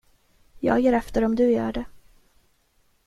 Jag ger efter om du gör det.